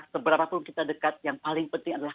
seberapapun kita dekat yang paling penting adalah